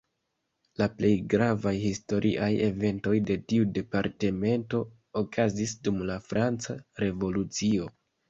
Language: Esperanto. La plej gravaj historiaj eventoj de tiu departemento okazis dum la franca Revolucio.